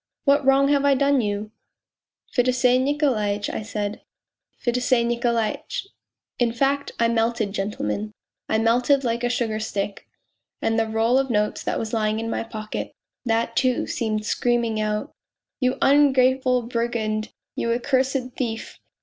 What wrong have I done you ?...'' Fedosey Niko laitch,' I said, ' Fedosey Nikolaitch ...' In fact, I melted, gentlemen, I melted like a sugar stick. And the roll of notes that was lying in my pocket, that, too, seemed screaming out : 214 POLZUNKOV 4 You ungrateful brigand, you accursed thief